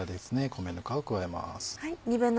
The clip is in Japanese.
米ぬかを加えます。